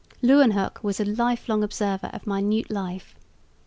Leeuwenhoek was a life long observer of minute life.